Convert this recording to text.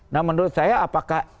nah menurut saya apakah